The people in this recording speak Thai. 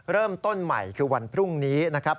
เริ่มต้นใหม่คือวันพรุ่งนี้นะครับ